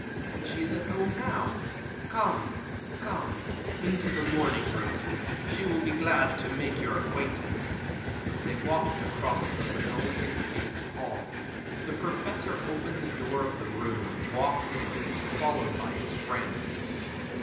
"She is at home now. Come into the morning room. She will be glad to make your acquaintance." They walked across the linoleum paved hall. The Professor opened the door of the room, and walked in, followed by his friend.